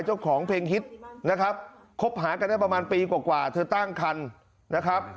เจ้าของเพลงฮิตนะครับคบหากันได้ประมาณปีกว่าเธอตั้งคันนะครับ